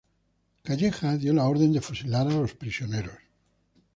Calleja dio la orden de fusilar a los prisioneros.